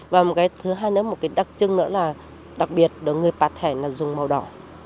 và một cái thứ hai nữa một cái đặc trưng nữa là đặc biệt là người bà thèn là dùng màu đỏ